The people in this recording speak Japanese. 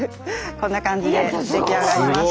こんな感じで出来上がりました。